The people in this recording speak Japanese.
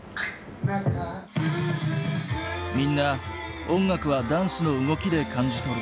みんな音楽はダンスの動きで感じ取る。